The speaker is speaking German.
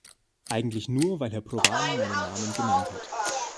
Eigentlich nur, weil Herr Provan meinen Namen genannt hat.